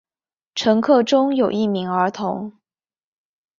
乘客中有一名儿童。